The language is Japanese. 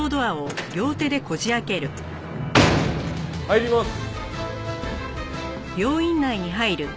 入ります。